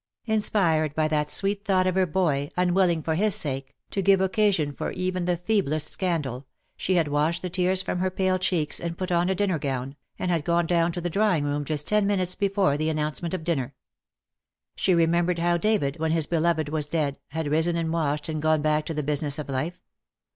'^ Inspired by that sweet thought of her boy, un willing, for his sake, to give occasion for even the 28 *W0URS ON MONDAY^ GOD's TO DAY." feeblest scandal, she had washed the tears from her pale cheeks, and put on a dinner gown, and had gone down to the drawing room just ten minutes before the announcement of dinner. She remembered how David, when his beloved was dead, had risen and washed and gone back to the business of life.